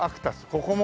ここも？